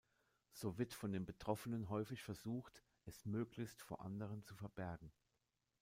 So wird von den Betroffenen häufig versucht, es möglichst vor anderen zu verbergen.